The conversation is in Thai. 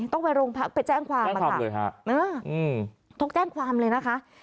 ต้องไปโรงพักไปแจ้งความเลยค่ะแจ้งความเลยค่ะเอออืมต้องแจ้งความเลยนะคะ